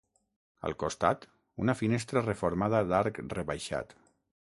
Al costat, una finestra reformada d'arc rebaixat.